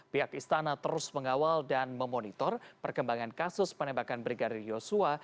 pihak istana terus mengawal dan memonitor perkembangan kasus penembakan brigadir yosua